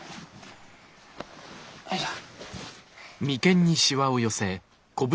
よいしょ。